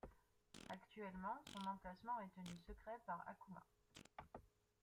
Actuellement, son emplacement est tenu secret par Akuma.